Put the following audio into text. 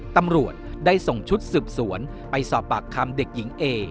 ตำรวจได้ส่งชุดสืบสวนไปสอบปากคำเด็กหญิงเอ